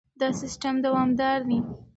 دا سیستم دوامدار دی.